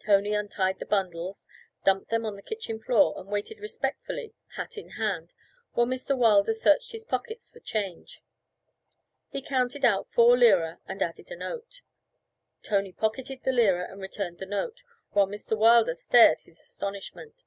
Tony untied the bundles, dumped them on the kitchen floor, and waited respectfully, hat in hand, while Mr. Wilder searched his pockets for change. He counted out four lire and added a note. Tony pocketed the lire and returned the note, while Mr. Wilder stared his astonishment.